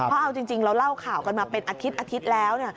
เพราะเอาจริงเราเล่าข่าวกันมาเป็นอาทิตย์อาทิตย์แล้ว